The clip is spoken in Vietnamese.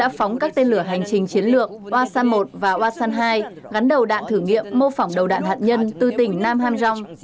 đã phóng các tên lửa hành trình chiến lược oasam một và wasan hai gắn đầu đạn thử nghiệm mô phỏng đầu đạn hạt nhân từ tỉnh nam ham jong